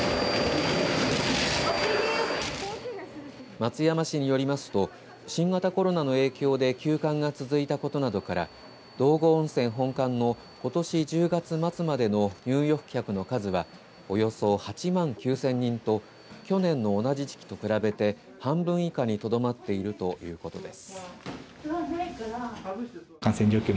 松山市によりますと新型コロナの影響で休館が続いたことなどから道後温泉本館のことし１０月末までの入浴客の数はおよそ８万９０００人と去年の同じ時期と比べて半分以下にとどまっているということです。